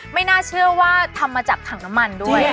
ไม่น่าเชื่อว่าทำมาจากถังน้ำมันด้วย